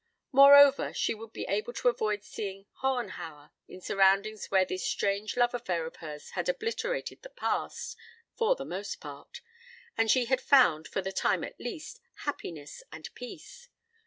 Moreover, she would be able to avoid seeing Hohenhauer in surroundings where this strange love affair of hers had obliterated the past (for the most part!), and she had found, for a time at least, happiness and peace.